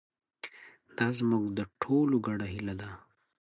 دا زموږ د ټولو ګډه هیله ده.